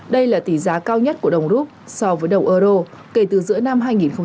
đây là tỷ giá cao nhất của đồng rút so với đồng euro kể từ giữa năm hai nghìn một mươi hai